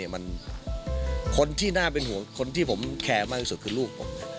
คนที่น่าเป็นห่วงคนที่ผมแคร์มากที่สุดคือลูกผม